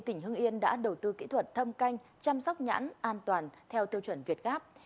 tỉnh hưng yên đã đầu tư kỹ thuật thâm canh chăm sóc nhãn an toàn theo tiêu chuẩn việt gáp